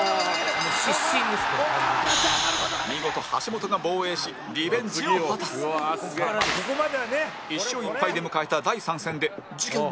見事橋本が防衛しリベンジを果たす１勝１敗で迎えた第３戦で事件は起こる